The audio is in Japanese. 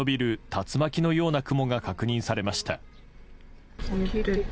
竜巻のような雲が確認されました。